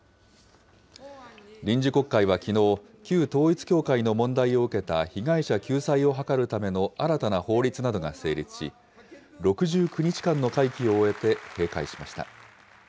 臨時国会はきのう、旧統一教会の問題を受けた、被害者救済を図るための新たな法律などが成立し、６９日間の会期を終えて閉会しました。